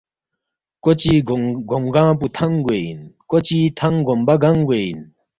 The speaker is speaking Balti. کوچی گوم گنگ پو تھنگ گوے ان کو چی تھنگ گومبہ گنگ گوے ان